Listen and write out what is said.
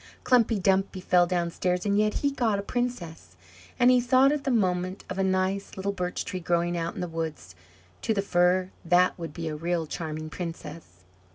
Klumpy Dumpy fell downstairs and yet he got a princess," and he thought at the moment of a nice little Birch tree growing out in the woods; to the Fir, that would be a real charming princess.